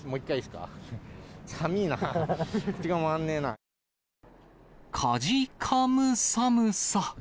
かじかむ寒さ。